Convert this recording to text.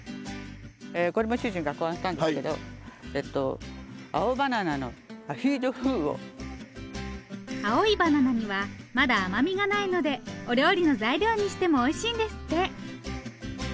これも主人が考案したんですけど青いバナナにはまだ甘みがないのでお料理の材料にしてもおいしいんですって。